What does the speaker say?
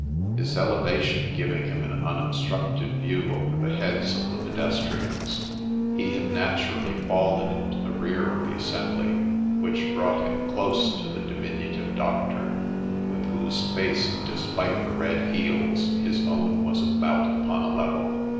His elevation giving him an un obstructed view over the heads of the pedestrians, he had naturally fallen into the rear of the assembly, which brought him close to the diminutive Doctor, with whose face, despite the red heels, his own was about upon a level.